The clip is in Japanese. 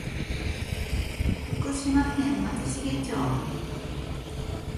徳島県松茂町